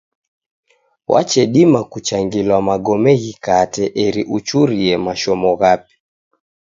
Wachedima kuchangilwa magome ghikate eri uchurie mashomo ghape.